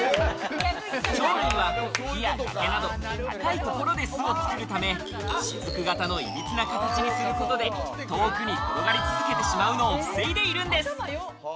鳥類は高いところで巣を作るため、しずく型のいびつな形にすることで、遠くに転がり続けてしまうのを防いでいるんです。